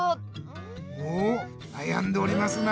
おなやんでおりますな。